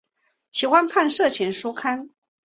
喜欢看色情书刊。